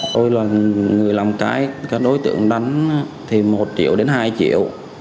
tôi là người làm cái các đối tượng đánh thì một triệu đến hai triệu